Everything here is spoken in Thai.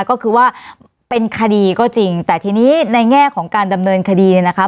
ก็คือว่าเป็นคดีก็จริงแต่ทีนี้ในแง่ของการดำเนินคดีเนี่ยนะคะ